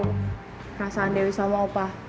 perasaan dewi sama opa